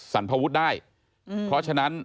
สรรพวุฒิได้เพราะฉะนั้น